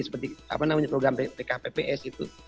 seperti program pkpps itu